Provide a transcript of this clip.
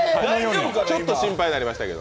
ちょっと心配になりましたけど。